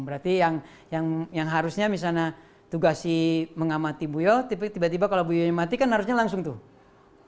berarti yang harusnya misalnya tugas mengamati buaya tiba tiba kalau buayanya mati kan harusnya langsung tuh